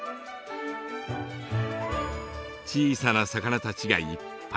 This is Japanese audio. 小さな魚たちがいっぱい！